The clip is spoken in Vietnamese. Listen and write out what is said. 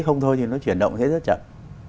không thôi thì nó chuyển động sẽ rất chậm